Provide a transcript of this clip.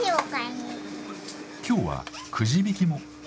今日はくじ引きも。